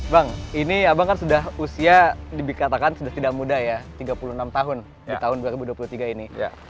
bang ini abang kan sudah usia dikatakan sudah tidak muda ya tiga puluh enam tahun di tahun dua ribu dua puluh tiga ini